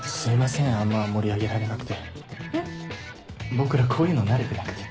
僕らこういうの慣れてなくて。